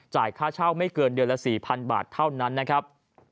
ค่าเช่าไม่เกินเดือนละ๔๐๐๐บาทเท่านั้นนะครับ